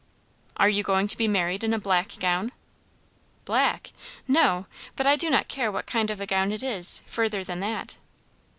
"Are you going to be married in a black gown?" "Black! No; but I do not care what kind of a gown it is, further than that."